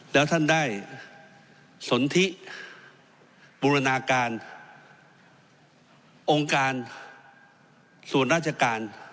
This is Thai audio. แล้วท่านได้สนทิบูรณาการองค์การส่วนราชการ